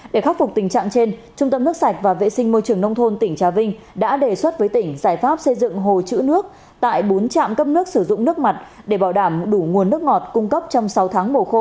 để khắc phục tình trạng trên trung tâm nước sạch và vệ sinh môi trường nông thôn tỉnh trà vinh đã đề xuất với tỉnh giải pháp xây dựng hồ chữ nước tại bốn trạm cấp nước sử dụng nước mặt để bảo đảm đủ nguồn nước ngọt cung cấp trong sáu tháng mùa khô